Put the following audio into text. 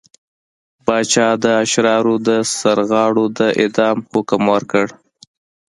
پاچا د اشرارو د سرغاړو د اعدام حکم ورکړ.